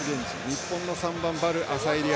日本の３番、ヴァルアサエリ愛